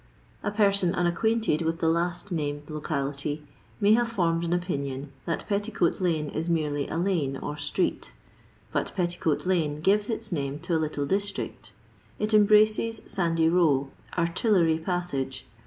A person unacquainted with the last named locality may have formed an opinion th.it Petticoat lane is merely a lane or street. But Petticoat lane gives its name to a little district. It embraces Sandys row, Artillery passage.